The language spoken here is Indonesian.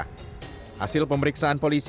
hasil pemeriksaan polisi